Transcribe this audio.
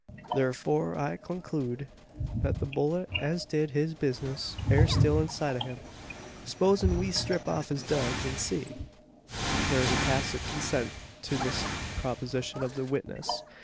Thurfor I konklude, thet the bullet as did his bizness air still inside o' him. S'posin' we strip off his duds, an see!" There is a tacit consent to this proposition of the witness.